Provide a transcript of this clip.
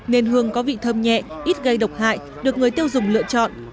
nên hương có vị thơm nhẹ ít gây độc hại được người tiêu dùng lựa chọn